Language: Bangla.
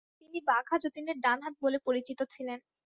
তিনি বাঘাযতীনের ডানহাত বলে পরিচিত ছিলেন।